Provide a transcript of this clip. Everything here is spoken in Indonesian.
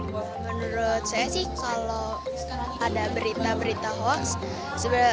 menurut saya sih kalau ada berita berita hoax sebenarnya